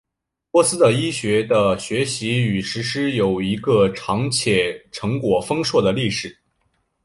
波斯的医学的学习与实施有一个长且成果丰硕的历史。